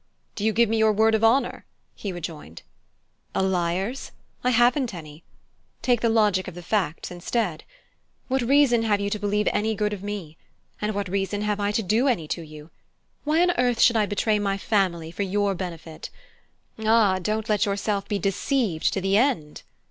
"Do you give me your word of honour?" he rejoined. "A liar's? I haven't any! Take the logic of the facts instead. What reason have you to believe any good of me? And what reason have I to do any to you? Why on earth should I betray my family for your benefit? Ah, don't let yourself be deceived to the end!"